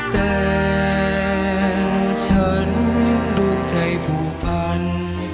แต่ฉันลูกใจผู้พันธ์